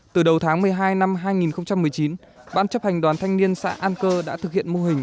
từ đầu tháng một mươi hai năm hai nghìn một mươi chín ban chấp hành đoàn thanh niên xã an cơ đã thực hiện mô hình